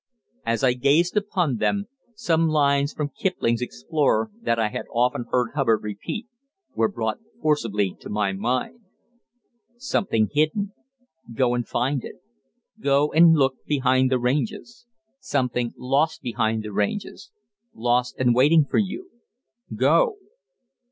As I gazed upon them, some lines from Kipling's "Explorer" that I had often heard Hubbard repeat were brought forcibly to my mind: "Something hidden. Go and find it. Go and look behind the Ranges Something lost behind the Ranges. Lost and waiting for you. Go!"